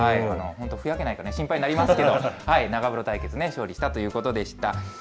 本当ふやけないか心配になりますけど、長風呂対決ね、勝利したということでした。